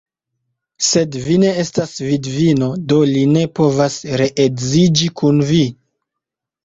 Sed vi ne estas vidvino; do li ne povas reedziĝi kun vi.